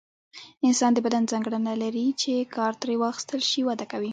انسان د بدن ځانګړنه لري چې کار ترې واخیستل شي وده کوي.